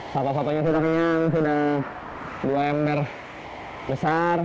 sapa sapanya sudah kenyang sudah dua ember besar